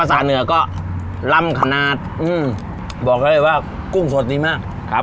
ภาษาเหนือก็ล่ำขนาดอืมบอกได้เลยว่ากุ้งสดดีมากครับ